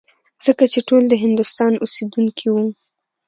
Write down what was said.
ځکه چې ټول د هندوستان اوسېدونکي وو.